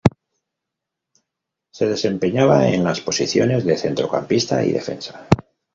Se desempeñaba en las posiciones de centrocampista y defensa.